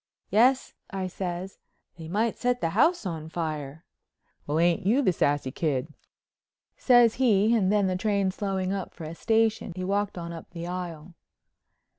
"Yes," I says, "they might set the house on fire." "Well, ain't you the sassy kid," says he and then the train slowing up for a station he walked on up the aisle.